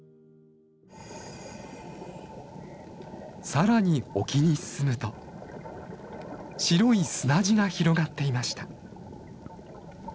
更に沖に進むと白い砂地が広がっていました。